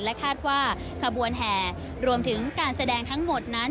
คาดว่าขบวนแห่รวมถึงการแสดงทั้งหมดนั้น